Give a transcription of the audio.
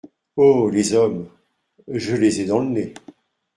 Oh ! les hommes !… je les ai dans le nez !…